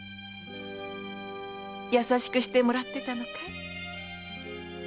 優しくしてもらってたのかい？